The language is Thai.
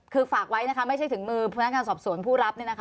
คือฝากไว้นะคะไม่ใช่ถึงมือพนักงานสอบสวนผู้รับ